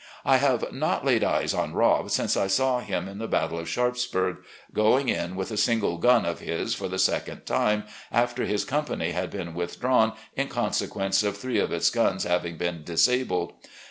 . I have not laid eyes on Rob since I saw him in the battle of Sharpsburg — agoing in with a single gun of his for the second time, after his company had been withdrawn in consequence of three of its guns having been disabled.